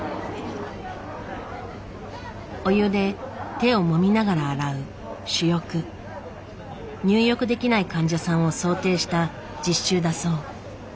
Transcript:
お湯で手をもみながら洗う入浴できない患者さんを想定した実習だそう。